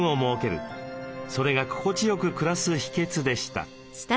それが心地よく暮らす秘けつでした。